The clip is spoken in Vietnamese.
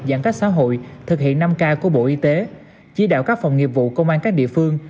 giãn cách xã hội thực hiện năm k của bộ y tế chỉ đạo các phòng nghiệp vụ công an các địa phương